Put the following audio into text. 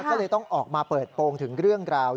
ก็เลยต้องออกมาเปิดโปรงถึงเรื่องราว